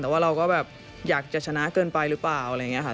แต่ว่าเราก็แบบอยากจะชนะเกินไปหรือเปล่าอะไรอย่างนี้ค่ะ